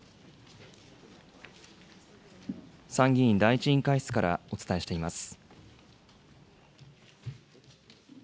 参議院第１委員会室からお伝えしています。